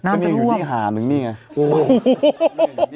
มันอยู่ที่หาหนึ่งนี่ไง